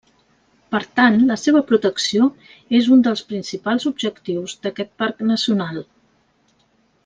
Per tant, la seva protecció és un dels principals objectius d'aquest parc nacional.